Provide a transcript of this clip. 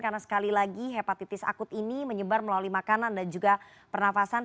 karena sekali lagi hepatitis akut ini menyebar melalui makanan dan juga pernafasan